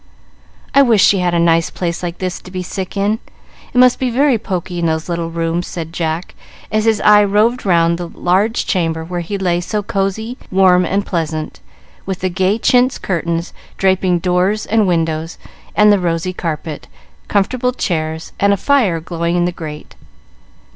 "I wish she had a nice place like this to be sick in. It must be very poky in those little rooms," said Jack, as his eye roved round the large chamber where he lay so cosey, warm, and pleasant, with the gay chintz curtains draping doors and windows, the rosy carpet, comfortable chairs, and a fire glowing in the grate.